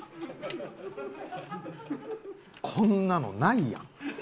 こんなのないやん。